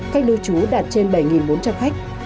cách lưu trú đạt trên bảy bốn trăm linh khách